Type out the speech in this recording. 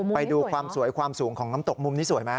ไปดูความสวยความสูงของน้ำตกมุมนี้สวยไหม